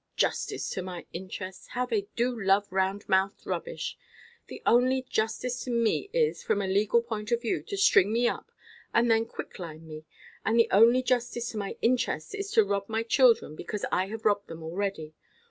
Justice to my interests! How they do love round–mouthed rubbish! The only justice to me is, from a legal point of view, to string me up, and then quick–lime me; and the only justice to my interests is to rob my children, because I have robbed them already.